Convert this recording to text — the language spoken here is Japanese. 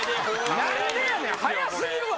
何でやねん早すぎるわ。